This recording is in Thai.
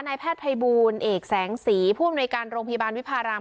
นายแพทย์ภัยบูลเอกแสงสีผู้อำนวยการโรงพยาบาลวิพาราม